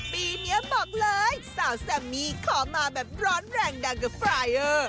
ปีเหมียบอกเลยสาวสามีขอมาแบบร้อนแรงดังก็ฟรายเออ